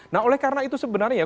nah oleh karena itu sebenarnya